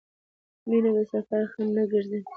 مینه د سفر خنډ نه ګرځي.